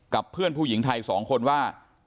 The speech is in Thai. กับเพื่อนผู้หญิงไทยสองคนว่า